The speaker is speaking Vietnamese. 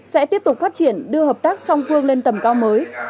sẽ tiếp tục phát triển đưa hợp tác song phương lên tầm cao mới